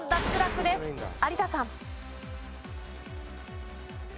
有田さん。